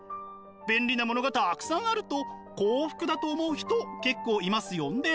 便利なものがたくさんあると幸福だと思う人結構いますよね。